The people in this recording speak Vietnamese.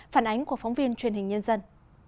phản ánh của phóng viên truyền hình nhân dân